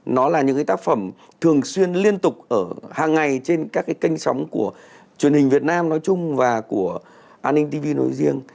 nó là những cái tác phẩm thường xuyên liên tục ở hàng ngày trên các cái kênh sóng của truyền hình việt nam nói chung và của antv nói riêng